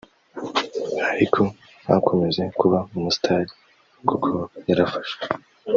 ariko ntakomeze kuba umusitari kuko yarafashwe